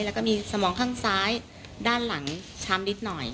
แล้วก็มีสมองข้างซ้ายด้านหลังช้ำนิดหน่อย